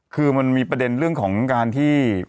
คือมันมีประเด็นเรื่องของการที่